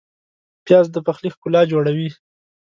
پیاز د پخلي ښکلا جوړوي